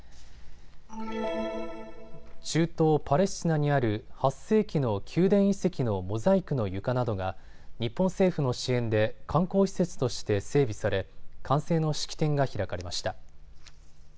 中東パレスチナにある８世紀の宮殿遺跡のモザイクの床などが日本政府の支援で観光施設として整備され完成の式典が開かれました。